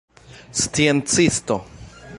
sciencisto